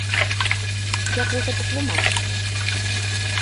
Як вы гэта тлумачыце?